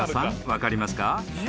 分かりますか？